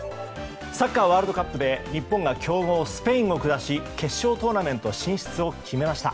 サッカーワールドカップで日本が強豪スペインを下し決勝トーナメント進出を決めました。